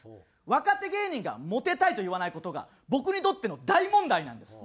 若手芸人が「モテたい」と言わない事が僕にとっての大問題なんです。